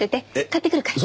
買ってくるから。